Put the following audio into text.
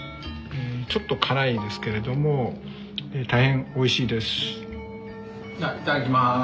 ちょっと辛いですけれども大変おいしいです。